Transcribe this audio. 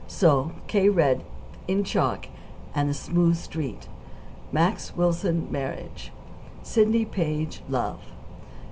So K. read in chalk an the smooth street: Max Wilson Marriage. Sidney Page Love.